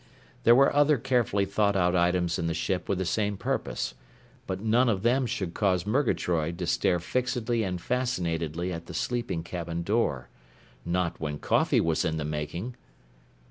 There were other carefully thought out items in the ship with the same purpose. But none of them should cause Murgatroyd to stare fixedly and fascinatedly at the sleeping cabin door. Not when coffee was in the making!